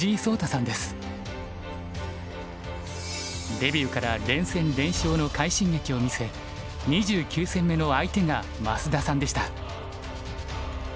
デビューから連戦連勝の快進撃を見せ２９戦目の相手が増田さんでした。